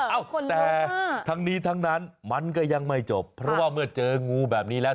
เอ้าแต่ทั้งนี้ทั้งนั้นมันก็ยังไม่จบเพราะว่าเมื่อเจองูแบบนี้แล้ว